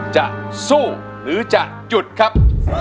จะสู้หรือจะหยุดครับ